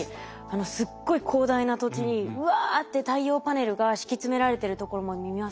すっごい広大な土地にうわって太陽パネルが敷き詰められてるところも見ますし。